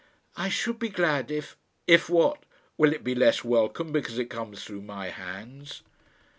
"I should be glad if " "If what? Will it be less welcome because it comes through my hands?"